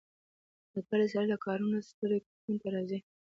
د کلي سړي له کارونو ستړي کورونو ته راځي.